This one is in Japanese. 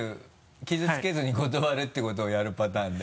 傷つけずに断るってことをやるパターンで。